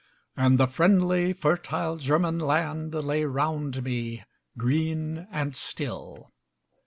And the friendly fertile German land Lay round me green and still.